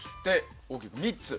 大きく３つ。